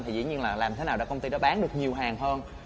thì dĩ nhiên là làm thế nào để công ty đó bán được nhiều hàng hơn